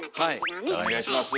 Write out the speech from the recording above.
お願いします。